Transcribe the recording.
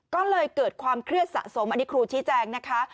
ก็เลยเกิดความเครียดสะสมอันนี้ครูชี้แจงนะคะ